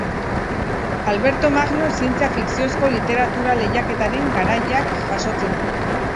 Alberto Magno Zientzia-Fikziozko Literatura Lehiaketaren garaileak jasotzen du.